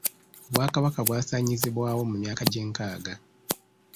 Obwakabaka bwasaanyizibwawo mu myaka gy'enkaaga.